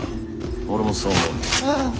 俺もそう思うよ。